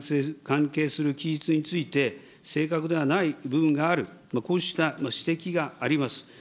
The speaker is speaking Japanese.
高市大臣から自身が関係する記述について、正確ではない部分がある、こうした指摘があります。